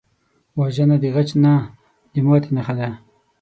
وژنه د غچ نه، د ماتې نښه ده